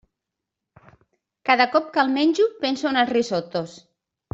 Cada cop que el menjo penso en els risottos.